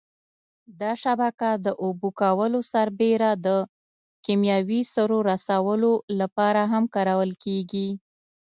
دا شبکه د اوبه کولو سربېره د کېمیاوي سرو رسولو لپاره هم کارول کېږي.